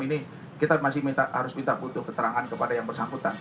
ini kita masih harus minta butuh keterangan kepada yang bersangkutan